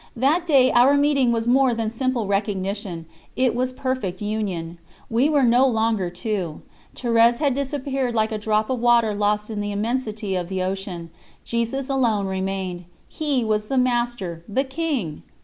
That day our meeting was more than simple recognition, it was perfect union. We were no longer two. Thérèse had disappeared like a drop of water lost in the immensity of the ocean; Jesus alone remained He was the Master, the King!